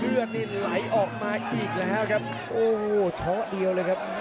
เลือดนี่ไหลออกมาอีกแล้วครับโอ้โหช็อกเดียวเลยครับ